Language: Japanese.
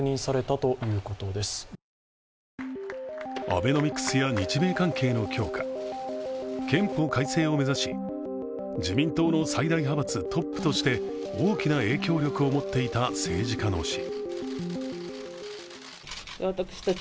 アベノミクスや日米関係の強化、憲法改正を目指し自民党の最大派閥トップとして大きな影響力を持っていた政治家の死。